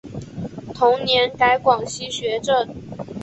同年改广西学政。